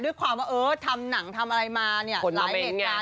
ด้วยความว่าเออทำหนังทำอะไรมาเนี่ยหลายเหตุการณ์